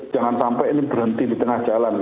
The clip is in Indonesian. jangan sampai ini berhenti di tengah jalan